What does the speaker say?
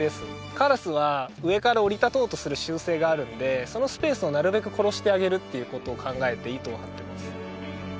カラスは上から下り立とうとする習性があるのでそのスペースをなるべく殺してあげるっていう事を考えて糸を張ってます。